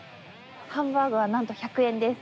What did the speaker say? ハンバーグはなんと１００円です。